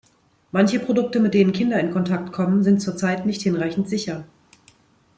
Manche Produkte, mit denen Kinder in Kontakt kommen, sind zur Zeit nicht hinreichend sicher.